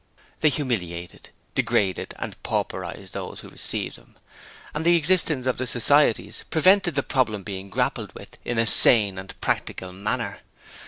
They humiliated, degraded and pauperized those who received them, and the existence of the societies prevented the problem being grappled with in a sane and practical manner.